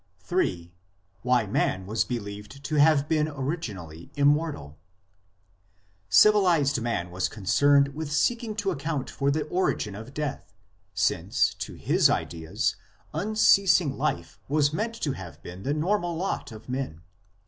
III. WHY MAN WAS BELIEVED TO HAVE BEEN ORIGINALLY IMMORTAL Uncivilized man was concerned with seeking to account for the origin of death, since, to his ideas, unceasing life was meant to have been the normal lot of men.